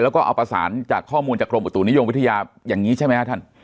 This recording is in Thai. แล้วก็เอาประสานจากข้อมูลจากกรมอุตุนิยมวิทยาอย่างนี้ใช่ไหมครับท่าน